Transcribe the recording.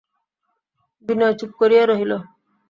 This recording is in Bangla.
বিনয় চুপ করিয়া রহিল।